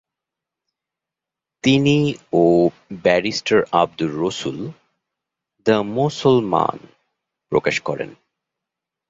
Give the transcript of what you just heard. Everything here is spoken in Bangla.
তিনি ও ব্যারিস্টার আবদুর রসুল দ্য মোসলমান প্রকাশ করেন।